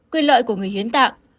quyền lợi của người hiến tạng